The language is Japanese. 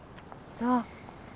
そう。